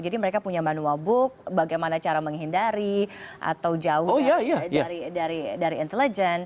jadi mereka punya manual book bagaimana cara menghindari atau jauh dari intelijen